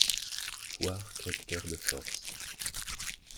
Voir Capteur de force.